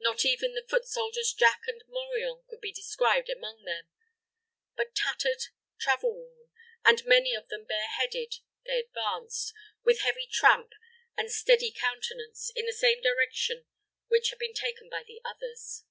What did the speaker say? Not even the foot soldier's jack and morion could be descried among them; but, tattered, travel worn, and many of them bare headed, they advanced, with heavy tramp and steady countenance, in the same direction which had been taken by the others.